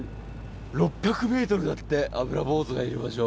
６００ｍだってアブラボウズがいる場所。